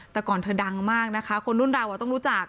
แต่ก่อนเธอดังมากนะคะคนรุ่นเราต้องรู้จัก